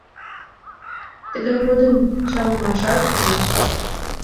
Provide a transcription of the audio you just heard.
Тыгай годым чалемашат лиеш.